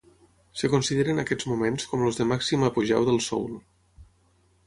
Es consideren aquests moments com els de màxim apogeu del soul.